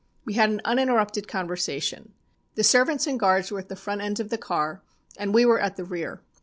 We had an uninterrupted conversation. The servants and guards were at the front end of the car, and we were at the rear.